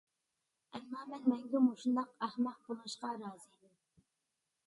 ئەمما مەن مەڭگۈ مۇشۇنداق ئەخمەق بولۇشقا رازى.